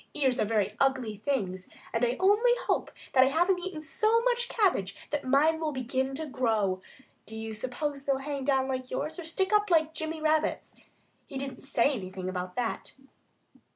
Ears are very ugly things, and I only hope that I haven't eaten so much cabbage that mine will begin to grow.... Do you suppose they'd hang down like yours or stick up like Jimmy Rabbit's? He didn't say anything about that."